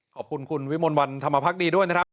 ขอบคุณคุณวิมลวันธรรมภักดีด้วยนะครับ